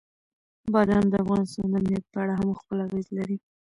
بادام د افغانستان د امنیت په اړه هم خپل اغېز لري.